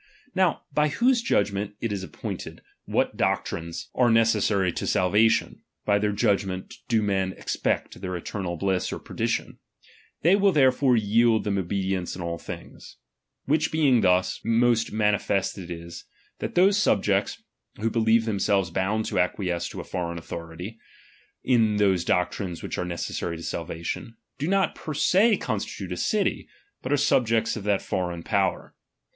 Now, ^| ^^B''n'bose judgment it is appointed what doctrines ^H 1>94 RELIGION. CHAP.XV1T. are necessary to salvation, by their judgment y^JT^^ ' men expect their eternal bliss or perdition ; they talionotscri^ wiU therefore yield them obedience in all thinsS' Which being thus, most manifest it is, that those subjects, who believe themselves bound to acquiesce to a foreign authority in those doctrines which are necessary to salvation, do not jier se constitute a city, but are the subjects of that foreign power.